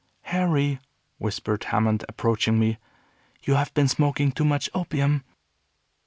"Harry," whispered Hammond, approaching me, "you have been smoking too much opium."